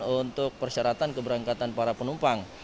untuk persyaratan keberangkatan para penumpang